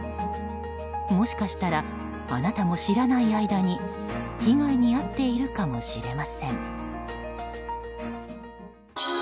もしかしたら、あなたも知らない間に被害に遭っているかもしれません。